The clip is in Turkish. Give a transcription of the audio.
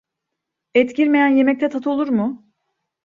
Et girmeyen yemekte tat olur mu?